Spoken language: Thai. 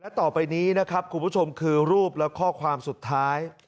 ต่อไปนี้นะครับคุณผู้ชมคือรูปและข้อความสุดท้าย